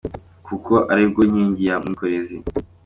Perezida w’Urukiko rw’Ikirenga rw’u Rwanda,.